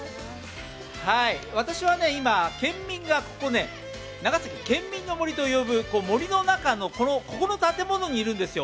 私は今、県民が長崎県民の森と呼ぶここの建物にいるんですよ。